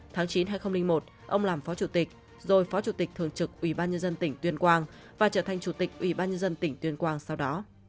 tháng chín hai nghìn một ông làm phó chủ tịch rồi phó chủ tịch thường trực ubnd tỉnh tuyên quang và trở thành chủ tịch ubnd tỉnh tuyên quang sau đó